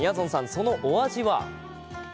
そのお味は？